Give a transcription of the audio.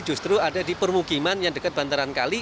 justru ada di permukiman yang dekat bantaran kali